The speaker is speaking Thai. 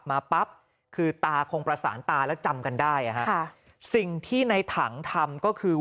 มาปั๊บคือตาคงประสานตาแล้วจำกันได้อ่ะฮะค่ะสิ่งที่ในถังทำก็คือ